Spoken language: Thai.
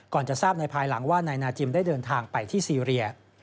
จะทราบในภายหลังว่านายนาจิมได้เดินทางไปที่ซีเรีย